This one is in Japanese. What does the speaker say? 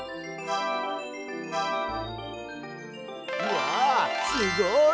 うわすごい！